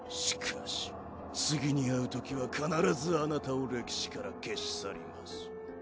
しかし次に会うときは必ずあなたを歴史から消し去ります。